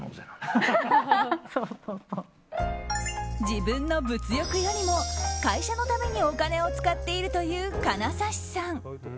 自分の物欲よりも会社のためにお金を使っているという金指さん。